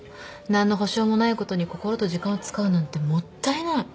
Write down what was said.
何の保証もないことに心と時間を使うなんてもったいない。